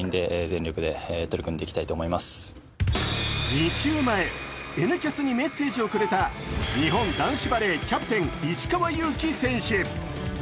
２週前、「Ｎキャス」にメッセージをくれた日本男子バレーキャプテン・石川祐希選手。